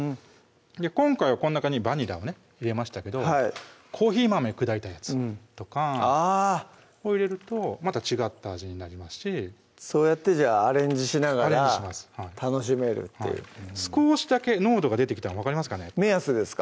今回はこの中にバニラをね入れましたけどコーヒー豆砕いたやつとかあぁを入れるとまた違った味になりますしそうやってアレンジしながら楽しめるっていう少しだけ濃度が出てきたの分かりますかね目安ですか？